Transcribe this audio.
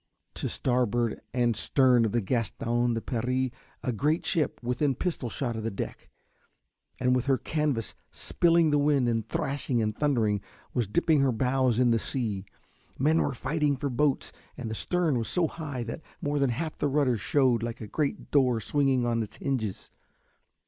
To starboard and stern of the Gaston de Paris, a great ship, within pistol shot of the deck, and with her canvas spilling the wind and thrashing and thundering, was dipping her bows in the sea. Men were fighting for the boats, and the stern was so high that more than half of the rudder shewed like a great door swinging on its hinges.